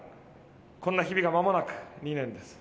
こんな日々がまもなく２年です。